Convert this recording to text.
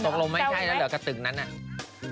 ตกลงไม่ใช่แล้วกับตึกนั้นอ่ะ